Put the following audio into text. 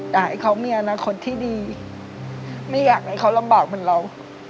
อยากให้เขามีอนาคตที่ดีไม่อยากให้เขาลำบากเหมือนเรา